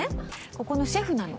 ここのシェフなの。